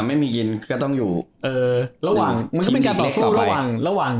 ไม่มีกินก็ต้องอยู่เออระหว่างมันก็เป็นการต่อสู้ระหว่างระหว่าง